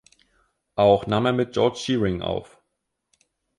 Auch nahm er mit George Shearing auf.